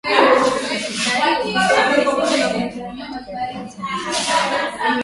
haki ya kupumua hewa safi iliangaziwa katika ripoti ya Mwanahabari wa